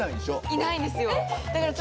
いないんですよ。